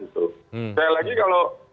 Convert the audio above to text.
saya lagi kalau